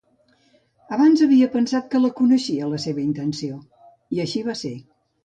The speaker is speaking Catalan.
Abans havia pensat que ja coneixia la seva intenció, i així va ser.